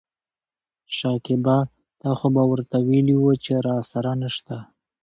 شکيبا : تا خو به ورته وويلي وو چې راسره نشته.